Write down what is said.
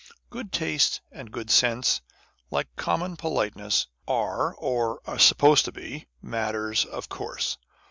Good taste and good sense, like common politeness, are, or are sup posed to be, matters of course.